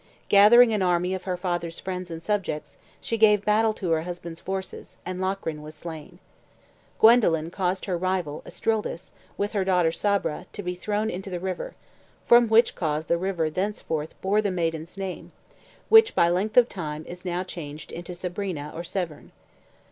Gathering an army of her father's friends and subjects, she gave battle to her husband's forces and Locrine was slain. Guendolen caused her rival, Estrildis, with her daughter Sabra, to be thrown into the river, from which cause the river thenceforth bore the maiden's name, which by length of time is now changed into Sabrina or Severn.